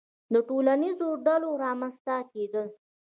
• د ټولنیزو ډلو رامنځته کېدل.